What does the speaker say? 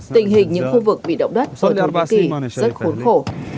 tình hình những khu vực bị động đất ở thổ nhĩ kỳ rất khốn khổ